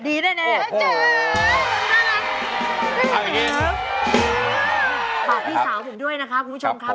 ขอบพี่สาวผมด้วยนะครับคุณผู้ชมครับ